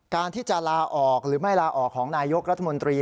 การที่จะลาออกหรือไม่ลาออกของนายกรัฐมนตรี